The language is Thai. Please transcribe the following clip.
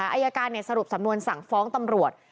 อายการสรุปสำนวนสั่งฟ้องตำรวจ